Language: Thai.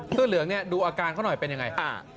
ต้นเหลืองนี่ดูอาการเขาหน่อยเป็นอย่างไร